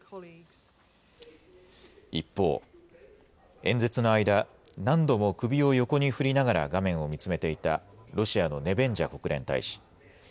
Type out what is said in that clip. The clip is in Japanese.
一方、演説の間、何度も首を横に振りながら画面を見つめていたロシアのネベンジャ国連大使。